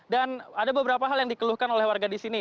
dan ada beberapa hal yang dikeluhkan oleh warga di sini